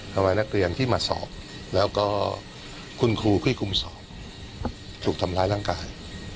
ทำไมนักเรียนที่มาสอบแล้วก็คุณครูที่คุมสอบถูกทำร้ายร่างกาย